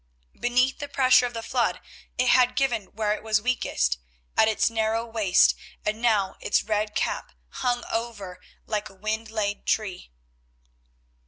Beneath the pressure of the flood it had given where it was weakest, at its narrow waist, and now its red cap hung over like a wind laid tree.